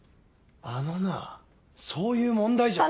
あのなそういう問題じゃ。